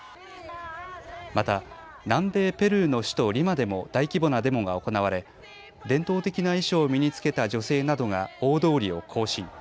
また南米ペルーの首都リマでも大規模なデモが行われ伝統的な衣装を身に着けた女性などが大通りを行進。